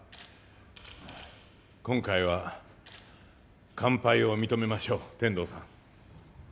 今回は完敗を認めましょう天堂さん。